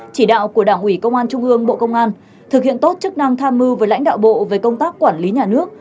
chỉ đạo của đảng ủy công an trung ương bộ công an thực hiện tốt chức năng tham mưu với lãnh đạo bộ về công tác quản lý nhà nước